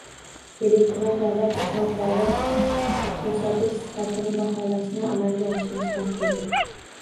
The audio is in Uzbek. Elektron davlat xizmatlari ko‘rsatish sifatini baholashni amalga oshirish tartibi